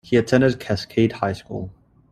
He attended Cascade High School.